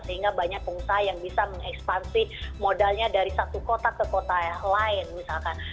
sehingga banyak pengusaha yang bisa mengekspansi modalnya dari satu kota ke kota lain misalkan